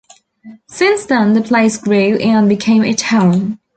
Since then the place grew and became a town.